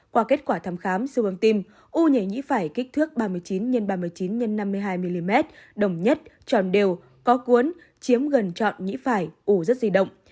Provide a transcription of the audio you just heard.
qua kết quả thăm khám xu hướng tim u nhảy nhĩ phải kích thước ba mươi chín x ba mươi chín x năm mươi hai mm đồng nhất tròn đều có cuốn chiếm gần trọn nhĩ phải ủ rất di động